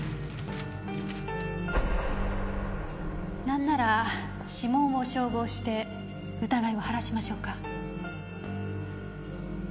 なんなら指紋を照合して疑いを晴らしましょうか？